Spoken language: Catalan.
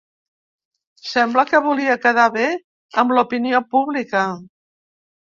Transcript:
Sembla que volia quedar bé amb l’opinió pública.